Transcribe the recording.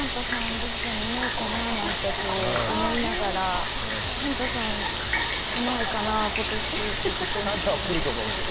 どこかにいないかなと思いながらサンタさん、来てないかな、今年と思ってるんですけど。